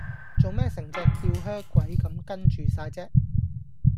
做乜成隻吊靴鬼咁跟住哂啫